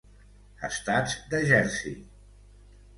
Estats de Jersey.